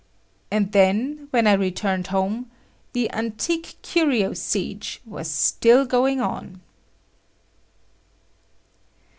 And, then, when I returned home, the "antique curio siege" was still going on.